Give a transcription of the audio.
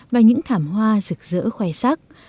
và những thảm hoa rực rỡ khoai sắc